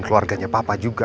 keluarganya papa juga